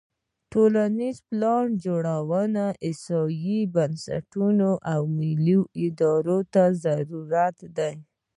د ټولنیزې پلانجوړونې احصایوي بنسټونو او ملي ارادې ته ضرورت دی.